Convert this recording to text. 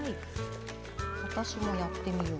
私もやってみよう。